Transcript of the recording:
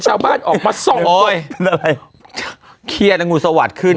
ชาวบ้านออกมาส่องโอ้ยเป็นอะไรเครียดอังกฤษวาสขึ้น